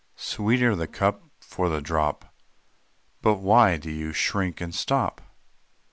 Sweeter the cup for the drop." "But why do you shrink and stop?"